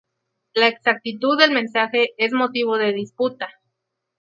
La exactitud del mensaje es motivo de disputa.